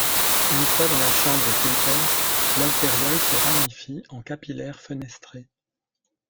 Une fois dans la chambre pulpaire, l'artériole se ramifie en capillaires fenestrés.